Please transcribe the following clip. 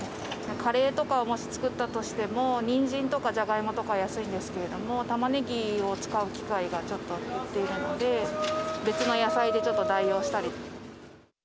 カレーとか、もし作ったとしても、にんじんとか、じゃがいもとか安いんですけれども、たまねぎを使う機会がちょっと減っているので、別の野菜でちょっ